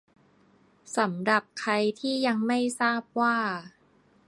สำหรับใครที่ยังไม่ทราบว่า